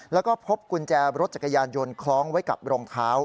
แล้วก็พบกุญแจรถจักรยานยนต์คล้องไว้กับรองเท้า